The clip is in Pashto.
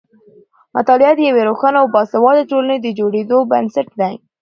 مطالعه د یوې روښانه او باسواده ټولنې د جوړېدو بنسټ دی.